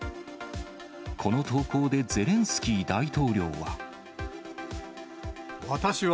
この投稿でゼレンスキー大統領は。